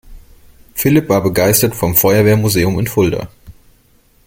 Philipp war begeistert vom Feuerwehrmuseum in Fulda.